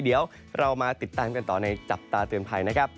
เดี๋ยวเรามาติดตามกันต่อในจับตาเตือนภัยนะครับ